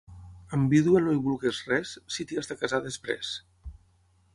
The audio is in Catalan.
Amb vídua no hi vulguis res, si t'hi has de casar després.